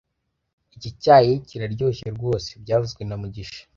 Iki cyayi kiraryoshye rwose byavuzwe na mugisha